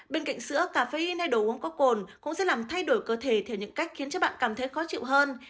bên cạnh sữa cà phê hay đồ uống có cồn cũng sẽ làm thay đổi cơ thể theo những cách khiến cho bạn cảm thấy khó chịu hơn